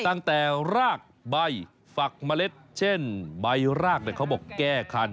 ตั้งแต่รากใบฝักเมล็ดเช่นใบรากเขาบอกแก้คัน